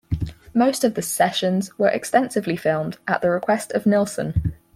Most of the sessions were extensively filmed, at the request of Nilsson.